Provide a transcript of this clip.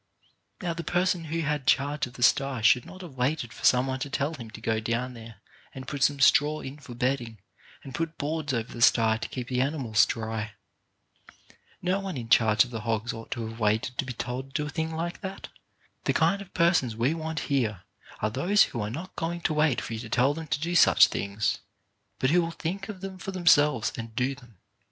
Now the person who had charge of the sty should not have waited for some one to tell him to go down there and put some straw in for bedding and put boards over the sty to keep the animals dry. No one in charge of the hogs ought to have waited to be told to do a thing like that. The kind of persons we want here are those who are not going to wait for you to tell them to do such things, but who will think of them for them selves and do them.